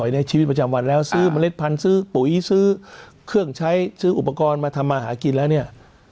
ในชีวิตประจำวันแล้วซื้อเมล็ดพันธุ์ซื้อปุ๋ยซื้อเครื่องใช้ซื้ออุปกรณ์มาทำมาหากินแล้วเนี่ย